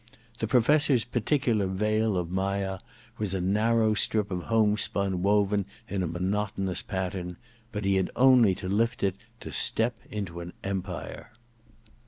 The Professor's particular veil of Maia was a narrow strip of homespun woven in a monotonous pattern ; but he had only to lift it to step into an empire.